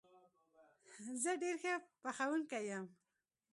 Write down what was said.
زه ډېر ښه پخوونکی یم